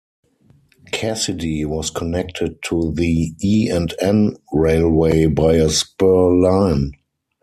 Cassidy was connected to the E and N Railway by a spur line.